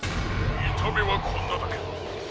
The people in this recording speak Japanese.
「みためはこんなだけど」。